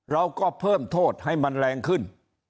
เราก็เพิ่มโทษให้มันแรงขึ้น